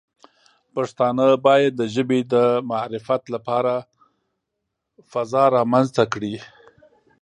پښتانه باید د ژبې د معرفت لپاره فضا رامنځته کړي.